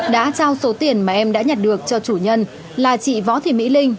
đã trao số tiền mà em đã nhặt được cho chủ nhân là chị võ thị mỹ linh